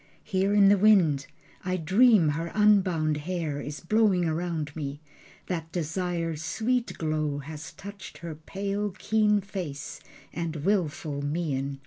Here in the wind I dream her unbound hair Is blowing round me, that desire's sweet glow Has touched her pale keen face, and willful mien.